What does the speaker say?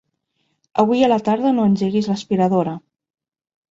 Avui a la tarda no engeguis l'aspiradora.